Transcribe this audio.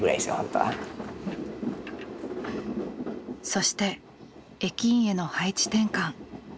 そして駅員への配置転換。